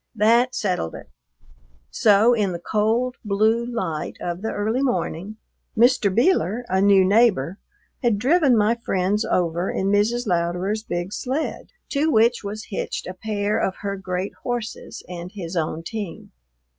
That settled it; so in the cold, blue light of the early morning, Mr. Beeler, a new neighbor, had driven my friends over in Mrs. Louderer's big sled, to which was hitched a pair of her great horses and his own team.